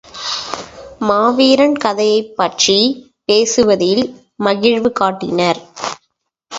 மாவீரன் கதையைப் பற்றிப் பேசுவதில் மகிழ்வு காட்டினர்.